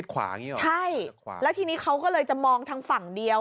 คิดขวางี่หรอคิดขวางใช่แล้วทีนี้เขาก็เลยจะมองทางฝั่งเดียว